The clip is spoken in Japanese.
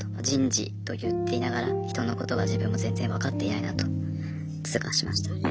人事と言っていながら人のことが自分も全然分かっていないなと痛感しました。